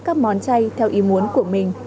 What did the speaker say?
các món chay theo ý muốn của mình